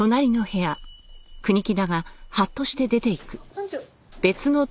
班長。